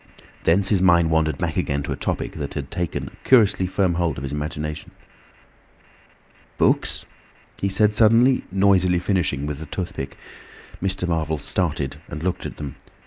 Thence his mind wandered back again to a topic that had taken a curiously firm hold of his imagination. "Books?" he said suddenly, noisily finishing with the toothpick. Mr. Marvel started and looked at them.